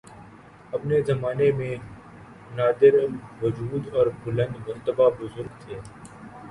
۔ اپنے زمانہ میں نادرالوجود اور بلند مرتبہ بزرگ تھے